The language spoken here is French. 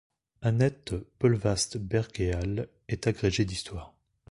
Annette Peulvast-Bergeal est agrégée d’histoire.